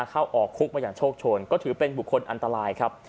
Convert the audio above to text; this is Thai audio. เข้าออกคุกมาอย่างโชคโชนก็ถือเป็นบุคคลอันตรายครับ